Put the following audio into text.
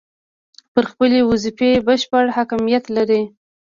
پر خپلې وظیفې بشپړ حاکمیت لري.